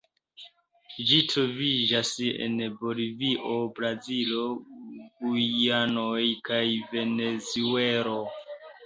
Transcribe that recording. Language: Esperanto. Ĝi troviĝas en Bolivio, Brazilo, Gujanoj kaj Venezuelo.